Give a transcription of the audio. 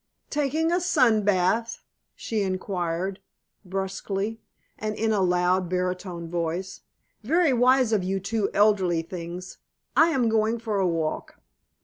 "Taking a sun bath?" she inquired brusquely and in a loud baritone voice. "Very wise of you two elderly things. I am going for a walk."